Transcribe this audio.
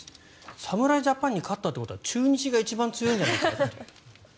侍ジャパンに勝ったということは中日が一番強いんじゃないか。